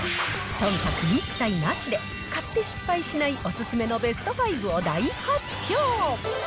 そんたく一切なしで、買って失敗しないお勧めのベスト５を大発表。